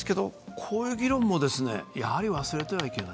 こういう議論もやはり忘れてはいけない。